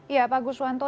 ya pak guswanto